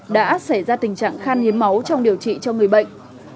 đã xảy ra tình trạng khan hiếm máu trong điều trị cho người bệnh